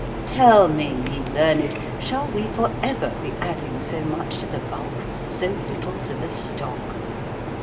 Tell me, ye learned, shall we for ever be adding so much to the bulk—so little to the _stock?